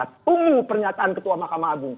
tunggu pernyataan ketua mahkamah agung